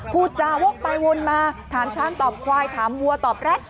พูดจาวกไปวนมาถามช้างตอบควายถามวัวตอบแร็ด